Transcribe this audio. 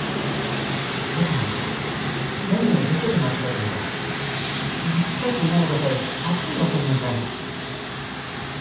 僕なんか何をどこで間違えたのか間違えていないのかさえさっぱり分かりません。